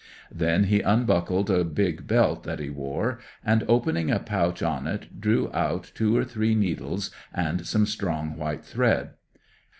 Then he unbuckled a big belt that he wore, and opening a pouch on it drew out two or three needles and some strong white thread.